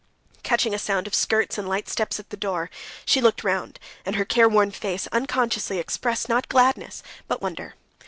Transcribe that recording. Catching a sound of skirts and light steps at the door, she looked round, and her care worn face unconsciously expressed not gladness, but wonder.